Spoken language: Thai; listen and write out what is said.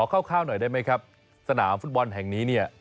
คร่าวหน่อยได้ไหมครับสนามฟุตบอลแห่งนี้เนี่ย